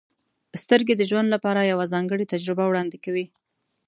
• سترګې د ژوند لپاره یوه ځانګړې تجربه وړاندې کوي.